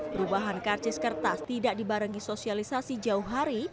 perubahan karcis kertas tidak dibarengi sosialisasi jauh hari